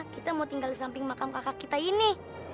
kita mau tinggal di samping makam kakak kita ini